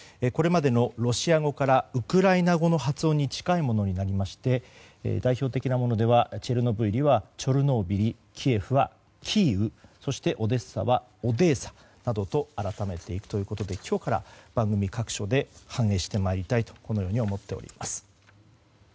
これまでのロシア語からウクライナ語の発音に近いものになりまして代表的なものではチェルノブイリはチョルノービリキエフはキーウそしてオデッサはオデーサなどと改めていくということで今日から番組各所で反映してまいりたいと思っております。